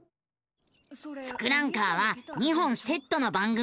「ツクランカー」は２本セットの番組。